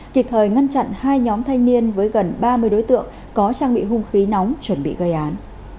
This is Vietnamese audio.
kịp thời ngăn chặn hai nhóm thanh niên với gần ba mươi đối tượng có trang bị hung khí nóng chuẩn bị gây án